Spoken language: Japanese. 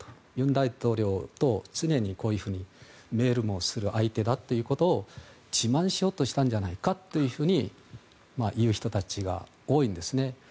尹大統領と常にこういうふうにメールもする相手だということを自慢しようとしたんじゃないかという人たちが多いんですね。